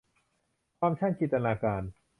ความช่างจินตนาการ